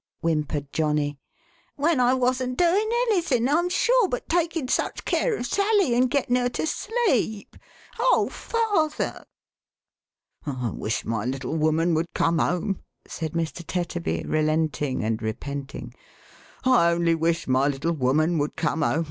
whimpered Johnny, "when I wasn't doing anything, I'm sure, but taking such care of Sally, and getting her to sleep. Oh, father !" "I wish my little woman would come home!" said Mr. Tetterby, relenting and repenting, "I only wish my little woman would come home